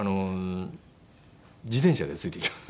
自転車で付いていきます。